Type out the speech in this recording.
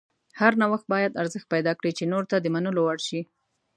هر نوښت باید ارزښت پیدا کړي چې نورو ته د منلو وړ شي.